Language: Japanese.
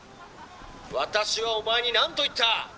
「私はお前に何と言った！？